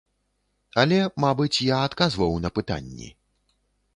Але, мабыць, я адказваў на пытанні.